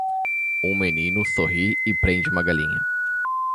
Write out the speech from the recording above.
Um menino sorri e prende uma galinha.